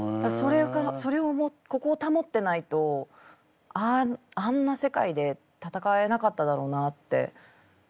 それがここを保ってないとあんな世界でたたかえなかっただろうなって思いますね。